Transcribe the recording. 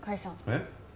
えっ？